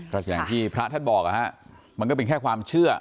ก็อย่างที่พระท่านบอกนะฮะมันก็เป็นแค่ความเชื่อ